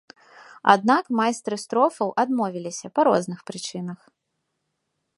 Аднак майстры строфаў адмовіліся па розных прычынах.